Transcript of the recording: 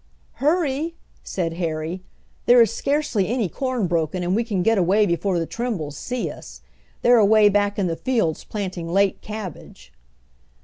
"Hurry!" said Harry, "there is scarcely any corn broken, and we can get away before the Trimbles see us. They're away back in the fields planting late cabbage."